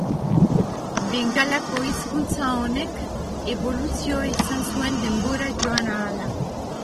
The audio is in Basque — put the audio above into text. Bengalako hizkuntza honek eboluzioa izan zuen denbora joan ahala.